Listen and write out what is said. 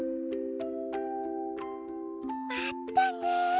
まったね。